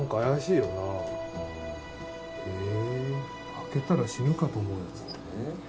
開けたら死ぬかと思うやつ？